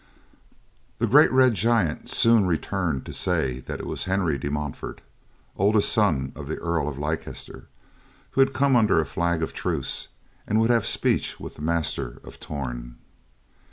The great red giant soon returned to say that it was Henry de Montfort, oldest son of the Earl of Leicester, who had come under a flag of truce and would have speech with the master of Torn.